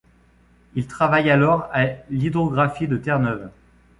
Il travaille alors à l'hydrographie de Terre-Neuve.